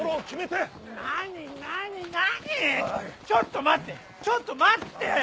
ちょっと待ってちょっと待って！